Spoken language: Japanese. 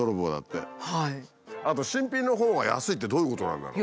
あと新品のほうが安いってどういうことなんだろう。